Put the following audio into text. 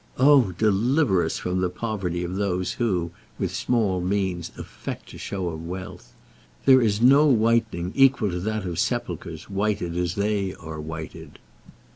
Oh, deliver us from the poverty of those who, with small means, affect a show of wealth! There is no whitening equal to that of sepulchres whited as they are whited!